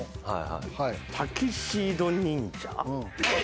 タキシード忍者？